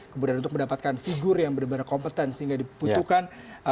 kemudian untuk mendapatkan figur yang benar benar kompeten sehingga dibutuhkan